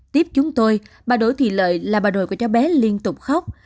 tiếp chúng tôi bà đối thì lợi là bà đồi của cháu bé liên tục khóc